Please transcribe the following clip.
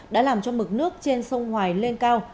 đã làm cho mực nước trên sông hoài lên cao